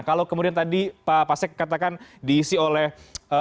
kalau kemudian tadi pak pasek katakan diisi oleh